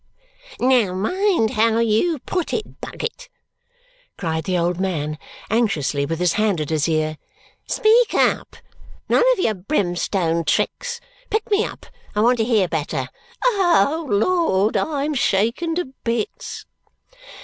'" "Now, mind how you put it, Bucket," cried the old man anxiously with his hand at his ear. "Speak up; none of your brimstone tricks. Pick me up; I want to hear better. Oh, Lord, I am shaken to bits!"